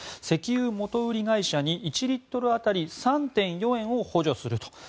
石油元売り会社に１リットル当たり３．４円を補助すると。